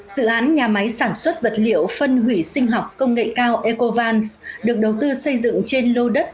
dự án nhà máy sản xuất vật liệu phân hủy sinh học công nghệ cao ecovans được đầu tư xây dựng trên lô đất